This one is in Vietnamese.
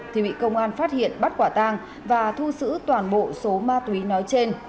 thì bị công an phát hiện bắt quả tang và thu giữ toàn bộ số ma túy nói trên